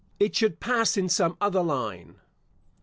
It should pass in some other line.